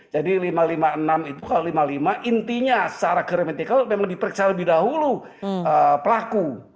jadi lima ratus lima puluh enam itu kalau lima puluh lima intinya secara geometrical memang diperiksa lebih dahulu pelaku